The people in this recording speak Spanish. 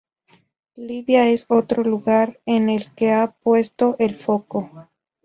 Libia es otro lugar en el que ha puesto el foco.